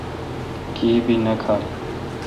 کی بھی نہ کھال۔